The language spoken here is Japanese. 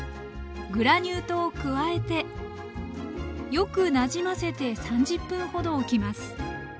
グラニュー糖を加えてよくなじませて３０分ほどおきます